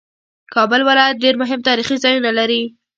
کابل ولایت ډېر مهم تاریخي ځایونه لري